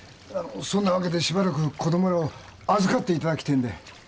そんな訳でしばらく子供らを預かって頂きてえんで。